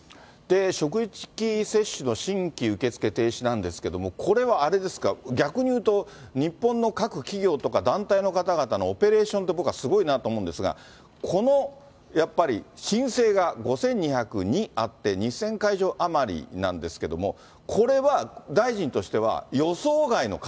職域接種の新規受け付け停止なんですけれども、これはあれですか、逆に言うと、日本の各企業とか団体の方々のオペレーションって僕はすごいなと思うんですが、このやっぱり申請が５２０２あって２０００会場余りなんですけれども、これは大臣としては、予想外の数？